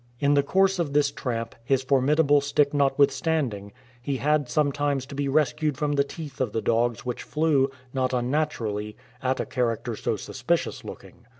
In the course of this tramp, his formidable stick notwithstand ing, he had sometimes to be rescued from the teeth of the dogs which flew, not unnaturally, at a character so sus picious looking.